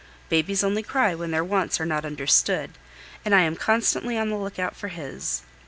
Babies only cry when their wants are not understood, and I am constantly on the lookout for his.